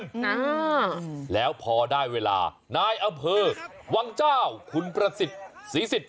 อ่าแล้วพอได้เวลานายอำเภอวังเจ้าคุณประสิทธิ์ศรีสิทธ